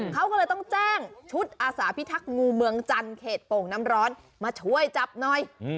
เขาก็เลยต้องแจ้งชุดอาสาพิทักษ์งูเมืองจันทร์เขตโป่งน้ำร้อนมาช่วยจับหน่อย